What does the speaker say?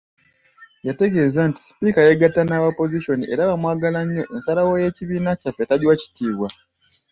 Yategeeza nti, “Sipiika yeegatta n'aba Opozisoni era bamwagala nnyo, ensalawo y’ekibiina kyaffe tagiwa kitiibwa”